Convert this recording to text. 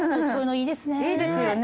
いいですよね。